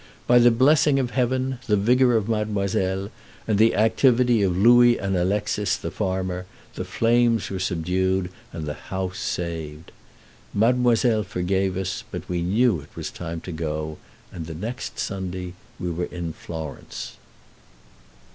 By the blessing of Heaven, the vigor of mademoiselle, and the activity of Louis and Alexis the farmer, the flames were subdued and the house saved. Mademoiselle forgave us, but we knew it was time to go, and the next Sunday we were in Florence.